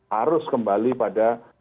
harus kembali pada